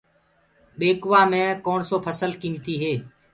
ٻيڪوآ مي ڪوڻسو ڦسل قيمتي هي۔